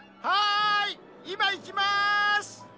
はい今行きます！